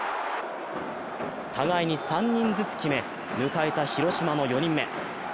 互いに３人ずつ決め、迎えた広島の４人目。